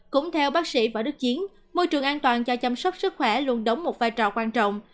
cũng theo bác sĩ võ đức chiến môi trường an toàn cho chăm sóc sức khỏe luôn đóng một vai trò quan trọng